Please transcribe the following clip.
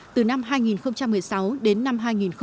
từ năm hai nghìn một mươi sáu đến năm hai nghìn hai mươi